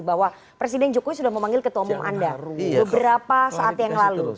bahwa presiden jokowi sudah memanggil ketua umum anda beberapa saat yang lalu